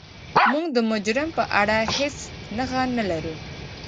موږ د مجرم په اړه هیڅ نښه نلرو.